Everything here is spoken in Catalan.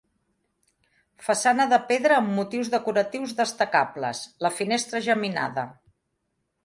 Façana de pedra amb motius decoratius destacables: la finestra geminada.